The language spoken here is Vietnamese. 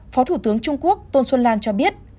phó thủ tướng trung quốc tôn xuân la cho biết